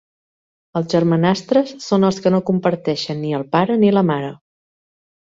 Els germanastres són els que no comparteixen ni el pare ni la mare.